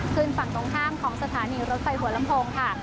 ขึ้นฝั่งตรงข้ามของสถานีรถไฟหัวลำโพงค่ะ